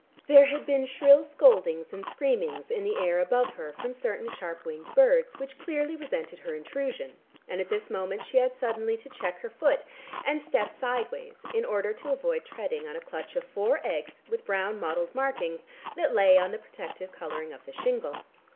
There had been shrill scoldings and screamings in the air above her from certain sharp winged birds which clearly resented her intrusion, and, at this moment, she had suddenly to check her foot and step sideways in order to avoid treading on a clutch of four eggs with brown mottled markings that lay on the protective colouring of the shingle.